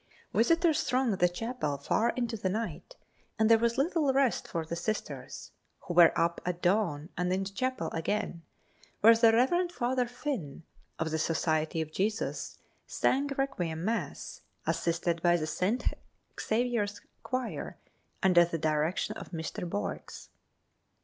Visitors thronged the chapel far into the night and there was little rest for the Sisters, who were up at dawn and in the chapel again, where the Rev. Father Finn, of the Society of Jesus, sang requiem mass, assisted by the St. Xavier's choir, under the direction of Mr. Boex.